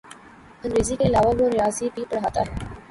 انگریزی کے علاوہ وہ ریاضی بھی پڑھاتا ہے۔